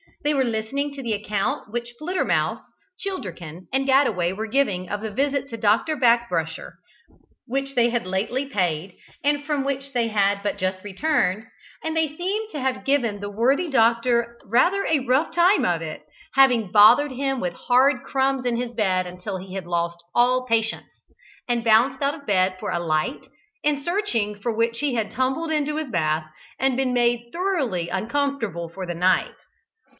They were listening to the account which Flittermouse, Childerkin, and Gadaway were giving of the visit to Dr. Backbrusher, which they had lately paid, and from which they had but just returned, and they seemed to have given the worthy doctor rather a rough time of it, having bothered him with hard crumbs in his bed until he had lost all patience, and bounced out of bed for a light, in searching for which he had tumbled into his bath, and been made thoroughly uncomfortable for the night.